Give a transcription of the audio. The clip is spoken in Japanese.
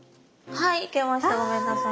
はいいけましたごめんなさい。